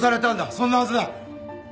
そんなはずない。